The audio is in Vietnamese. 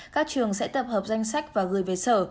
các trường sẽ tập hợp danh sách và gửi về sở